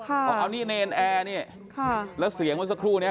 เอาสินี่เนนแอร์เนี่ยแล้วเสียงแปะสักครู่เนี่ย